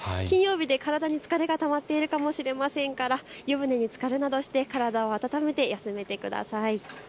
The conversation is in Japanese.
金曜日で体に疲れがたまっているかもしれませんから湯船につかるなどして体を温めて休めてください。